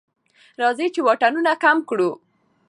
راځئ چې واټنونه کم کړو.